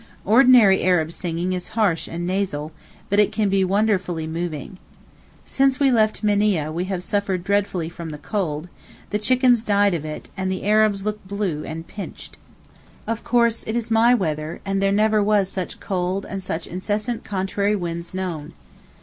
Ordinary Arab singing is harsh and nasal, but it can be wonderfully moving. Since we left Minieh we have suffered dreadfully from the cold; the chickens died of it, and the Arabs look blue and pinched. Of course it is my weather and there never was such cold and such incessant contrary winds known.